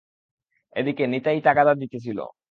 এদিকে নিতাই তাগাদা দিতেছিল।